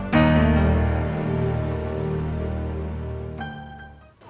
ya gua ke rumah